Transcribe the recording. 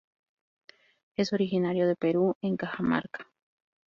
Es originaria de Perú en Cajamarca.